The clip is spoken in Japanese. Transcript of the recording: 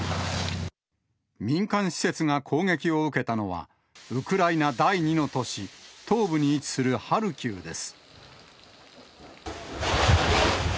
民間施設が攻撃を受けたのは、ウクライナ第２の都市、東部に位置するハルキウです。